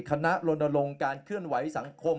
ลนลงการเคลื่อนไหวสังคม